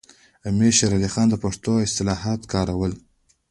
امیر شیر علي خان پښتو اصطلاحات کارول.